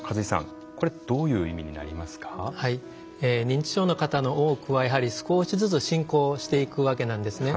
認知症の方の多くは少しずつ進行していくわけなんですね。